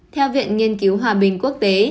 theo viện nghiên cứu hòa bình quốc tế